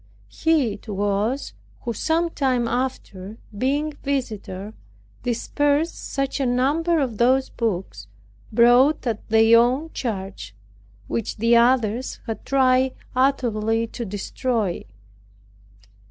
He it was, who some time after, being visitor, dispersed such a number of those books, bought at their own charge, which the others had tried utterly to destroy.